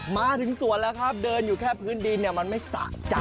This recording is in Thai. มาถึงสวนแล้วครับเดินอยู่แค่พื้นดินเนี่ยมันไม่สะใจ